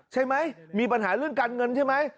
ใช่ไหมมีปัญหาเรื่องการเงินใช่ไหม